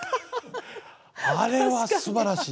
あれはすばらしい。